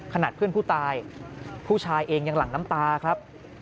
ขนาดเพื่อนผู้ตายผู้ชายเองยังหลั่งน้ำตาครับ